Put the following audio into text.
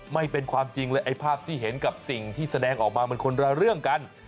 ไม่เป็นความจริงเลยไอ้ภาพที่เห็นกับสิ่งที่แสดงออกมามันคนละเรื่องกัน